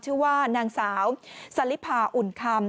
ชื่อว่านางสาวสลิพาอุ่นคำ